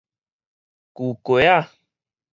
舊街仔